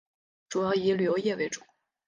主要以旅游业为主。